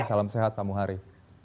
salam sehat pak muharri